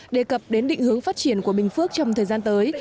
đề cập đến định hướng phát triển của bình phước trong thời gian tới